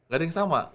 gak ada yang sama